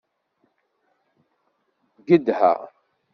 Gedha!